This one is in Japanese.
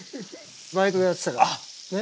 バイトでやってたからね。